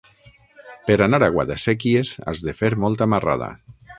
Per anar a Guadasséquies has de fer molta marrada.